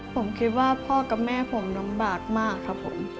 ผมคิดว่าพ่อและแม่น้ำบากมากครับ